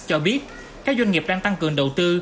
cho biết các doanh nghiệp đang tăng cường đầu tư